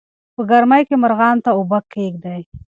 په ګرمۍ کې مارغانو ته اوبه کېږدئ.